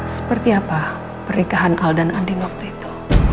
seperti apa pernikahan al dan adin waktu itu